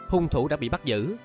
hùng thủ đã bị bắt giữ